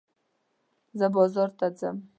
زه بازار ته ځم.